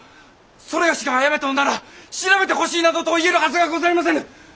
それがしがあやめたなら調べてほしいなどと言えるはずがござりませぬ！